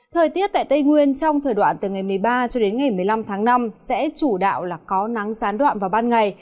thời tiết tại tây nguyên trong thời đoạn từ ngày một mươi ba cho đến ngày một mươi năm tháng năm sẽ chủ đạo là có nắng gián đoạn vào ban ngày